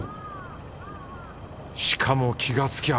しかも気がつきゃ